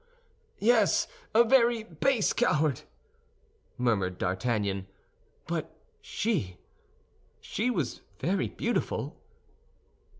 "Yes, a base coward," murmured D'Artagnan; "but she—she was very beautiful."